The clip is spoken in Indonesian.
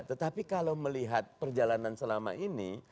tetapi kalau melihat perjalanan selama ini